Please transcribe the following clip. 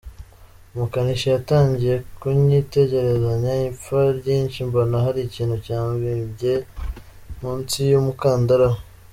Umukanishi yatangiye kunyitegerezanya ipfa ryinshi mbona hari ikintu cyabyimbye munsi y’umukandara we.